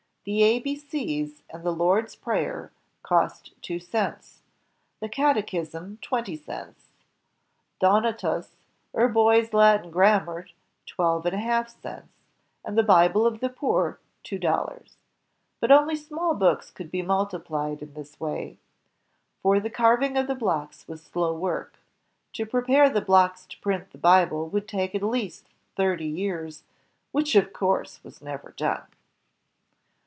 The ABCs and the Lord^s Prayer cost two cents, the Catechism twenty cents, Donatus or Boys^ Latin Grammar twelve and a half cents, and the Bible of the Poor two dollars. But only small books could be multiplied in this way, for the carving of the blocks was slow work. To prepare the blocks to print the Bible would take at least thirty years, which of course was never done.